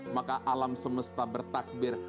maka alam semesta bertakbir